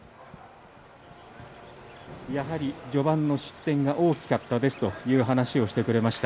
やはり序盤の失点が大きかったですと話してくれました。